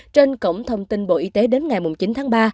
trên cổng thông tin bộ y tế đến ngày chín tháng ba